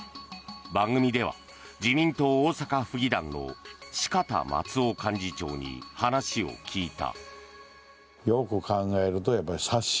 番組では自民党大阪府議団のしかた松男幹事長に話を聞いた。